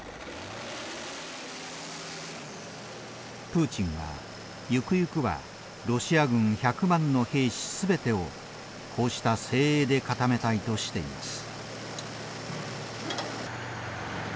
プーチンはゆくゆくはロシア軍１００万の兵士全てをこうした精鋭で固めたいとしています。